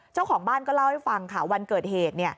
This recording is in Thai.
เจ้าของบ้านก็เล่าให้ฟังค่ะวันเกิดเหตุ